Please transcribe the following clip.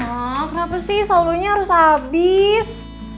wah kenapa sih saldonya harus habis